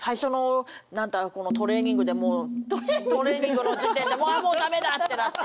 トレーニングで⁉トレーニングの時点でもうあもう駄目だってなって。